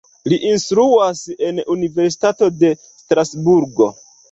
Li instruas en Universitato de Strasburgo.